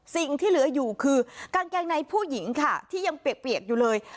สิ่งที่เหลืออยู่คือกางเกงในผู้หญิงค่ะที่ยังเปียกอยู่เลย